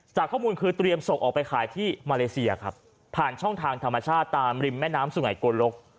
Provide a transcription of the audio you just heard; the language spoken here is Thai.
จากข้อมูลคือเตรียมส่งออกไปขายที่มาเลเซียครับผ่านช่องทางธรรมชาติตามริมแม่น้ำสุไงโกลก